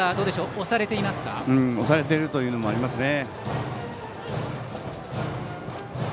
押されているというのもありますね。